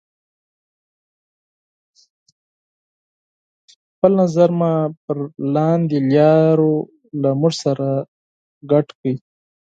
خپل نظر مو پر لاندې لارو له موږ سره شريکې کړئ: